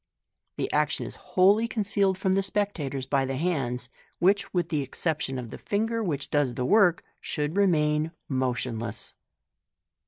The action is wholly concealed from the spectators by the hands, which, with the exception of the finger which do^s the work, should remain motionless.